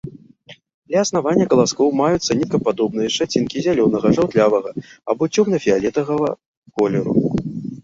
Ля аснавання каласкоў маюцца ніткападобныя шчацінкі зялёнага, жаўтлявага або цёмна-фіялетавага колеру.